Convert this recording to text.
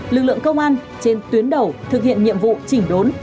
lực lượng công an trên tuyến đầu thực hiện nhiệm vụ chỉnh đốn